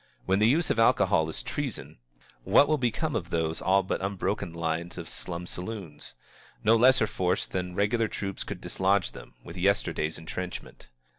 When the use of alcohol is treason, what will become of those all but unbroken lines of slum saloons? No lesser force than regular troops could dislodge them, with yesterday's intrenchment.